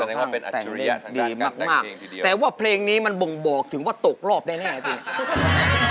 โอ้โฮคงแต่เล่นดีมากแต่ว่าเพลงนี้มันบ่งบอกถึงว่าตกรอบได้แน่จริงไหม